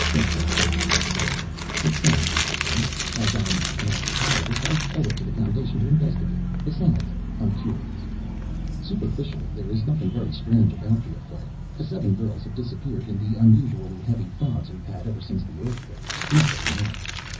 "Okay," I said. "It sounds interesting. As an anthropologist I owe it to the Foundation to investigate. Besides, I'm curious. Superficially, there is nothing very strange about the affair. Seven girls have disappeared in the unusually heavy fogs we've had ever since the earthquake. Nothing more."